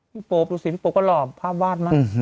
พี่โป๊บดูสิพี่โป๊บก็หล่อภาพวาดมาก